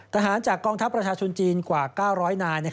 ทหารจากกองทัพประชาชนจีนกว่า๙๐๐นาย